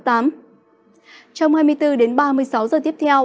trong hai mươi bốn ba mươi sáu h tiếp theo